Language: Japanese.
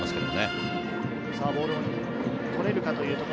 ボールを取れるかというところ。